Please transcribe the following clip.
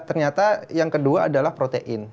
ternyata yang kedua adalah protein